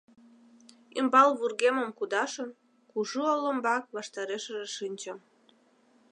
Ӱмбал вургемым кудашын, кужу олымбак ваштарешыже шинчым.